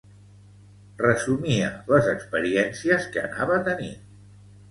Resumia les experiències que anava tenint.